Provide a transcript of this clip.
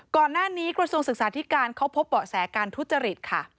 ก่อนหน้านี้กระทรวงศึกษาธิการเขาพบเบาะแสการทุจริตค่ะ